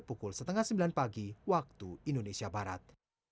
pukul setengah sembilan pagi waktu indonesia barat